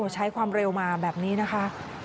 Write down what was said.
ใช้ความเร็วมาแบบนี้นะคะ